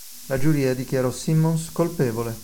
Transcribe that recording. La Giuria dichiarò Simmons colpevole.